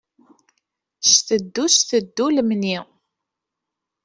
Cteddu, cteddu lemni.